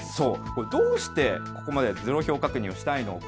どうしてここまでゼロ票確認をしたいのか。